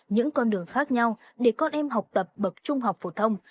những con đường khác nhau để con em học tập bậc trung học phổ thông